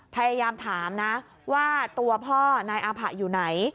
พยายามถามนะว่าตัวพ่อนายอาผะอยู่ไหน